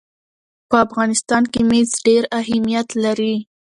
په افغانستان کې مس ډېر اهمیت لري.